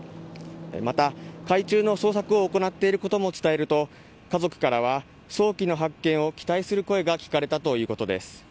また、海中の捜索を行っていることも伝えると家族からは早期の発見を期待する声が聞かれたということです。